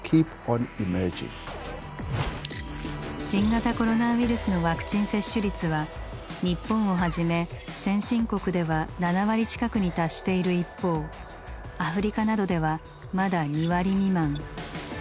新型コロナウイルスのワクチン接種率は日本をはじめ先進国では７割近くに達している一方アフリカなどではまだ２割未満。